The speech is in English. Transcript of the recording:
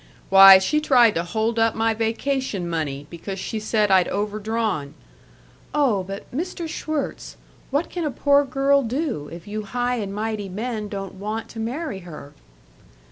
Why, she tried to hold up my vacation money, because she said I'd overdrawn " "Oh, but Mr. Schwirtz, what can a poor girl do, if you high and mighty men don't want to marry her?"